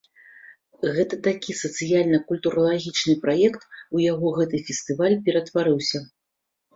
Гэта такі сацыяльна-культуралагічны праект, у яго гэта фестываль ператварыўся.